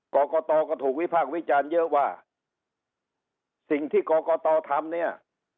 กรกตก็ถูกวิพากษ์วิจารณ์เยอะว่าสิ่งที่กรกตทำเนี่ย